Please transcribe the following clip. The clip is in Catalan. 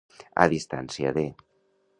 A distància de.